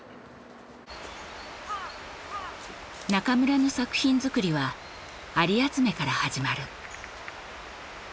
中村の作品づくりは蟻集めから始まる。